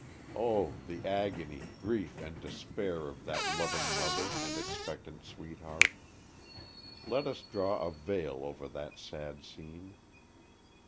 Oh! the agony, grief and despair of that loving mother and expectant sweetheart. Let us draw a veil over that sad scene.